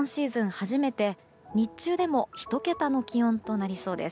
初めて日中でも１桁の気温となりそうです。